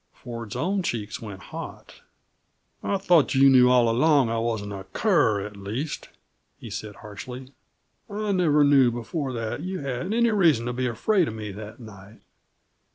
Ford's own cheeks went hot. "I thought you knew all along that I wasn't a cur, at least," he said harshly. "I never knew before that you had any reason to be afraid of me, that night.